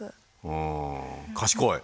うん賢い。